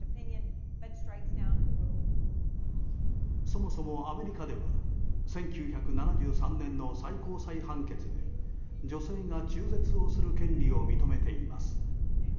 そもそもアメリカでは１９７３年の最高裁判決で女性が中絶をする権利を認めています。